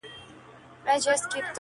ه بيا دي په سرو سترگو کي زما ياري ده